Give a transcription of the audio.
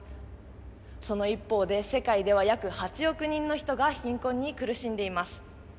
その一方で世界では約８億人の人が貧困に苦しんでいます。